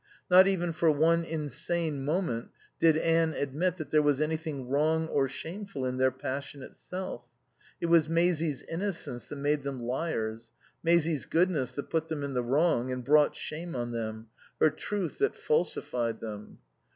Not even for one insane moment did Anne admit that there was anything wrong or shameful in their passion itself. It was Maisie's innocence that made them liars, Maisie's goodness that put them in the wrong and brought shame on them, her truth that falsified them.